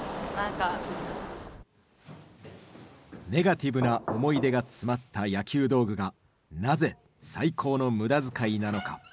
ネガティブな思い出が詰まった野球道具がなぜ「最高の無駄遣い」なのか？